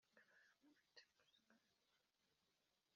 y abagiranye amasezerano bikorwa hifashishijwe